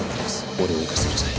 俺を行かせてください